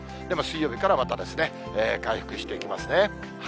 でも水曜日からまた回復していきますね。